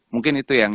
mungkin itu yang